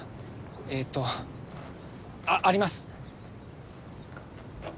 えーとあっあります。